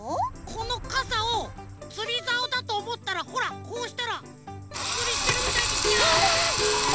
このかさをつりざおだとおもったらほらこうしたらつりしてるみたいでしょ？